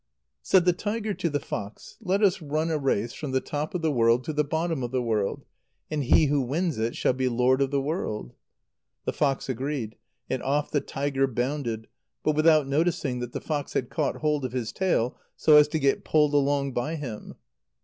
Said the tiger to the fox: "Let us run a race from the top of the world to the bottom of the world, and he who wins it shall be lord of the world!" The fox agreed, and off the tiger bounded, but without noticing that the fox had caught hold of his tail so as to get pulled along by him.